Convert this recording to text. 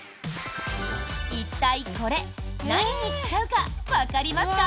一体これ、何に使うかわかりますか？